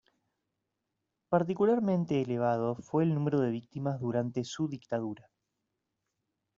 Particularmente elevado fue el número de víctimas durante su dictadura.